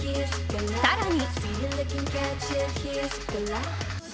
更に。